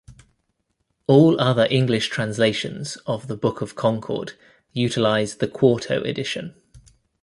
All other English translations of "The Book of Concord" utilize the quarto edition.